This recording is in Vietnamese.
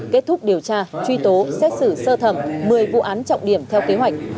kết thúc điều tra truy tố xét xử sơ thẩm một mươi vụ án trọng điểm theo kế hoạch